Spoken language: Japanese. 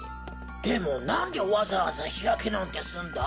でもなんでわざわざ日焼けなんてすんだ？